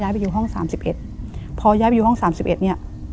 ไปอยู่ห้องสามสิบเอ็ดพอย้ายไปอยู่ห้องสามสิบเอ็ดเนี้ย